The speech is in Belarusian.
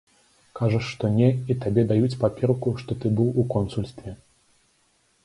Кажаш, што не, і табе даюць паперку, што ты быў у консульстве.